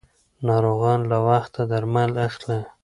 ناروغان له وخته درمل اخلي.